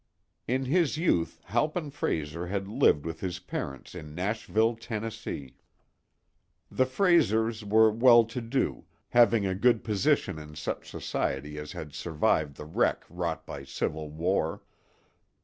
II IN his youth Halpin Frayser had lived with his parents in Nashville, Tennessee. The Fraysers were well to do, having a good position in such society as had survived the wreck wrought by civil war.